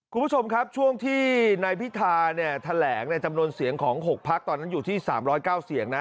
คุณผู้ชมครับช่วงที่ไนพิธาแถลงจำนวนเสียงของ๖พักอยู่ที่๓๐๙เสียงนะ